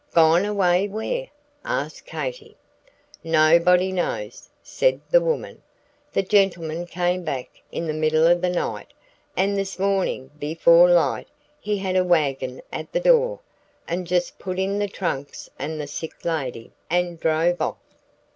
"Gone away where?" asked Katy. "Nobody knows," said the woman; "the gentleman came back in the middle of the night, and this morning, before light, he had a wagon at the door, and just put in the trunks and the sick lady, and drove off.